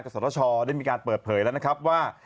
สตชได้มีการเปิดเผยแล้วนะครับว่า